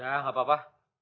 udah gak apa apa